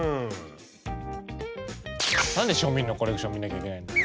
何で庶民のコレクション見なきゃいけないんだよ。